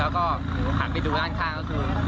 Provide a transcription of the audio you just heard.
แล้วก็หันไปดูด้านข้างก็คือ